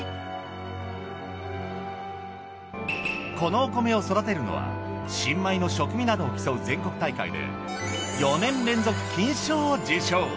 このお米を育てるのは新米の食味などを競う全国大会で４年連続金賞を受賞。